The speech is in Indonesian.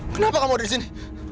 kenapa kamu di sini